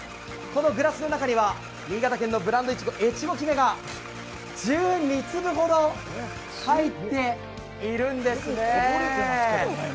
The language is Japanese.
このグラスの中には新潟県のブラドいちご、越後姫が１２粒ほど入っているんですね。